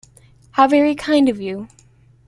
How very kind of you!